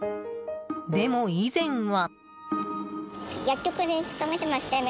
でも以前は。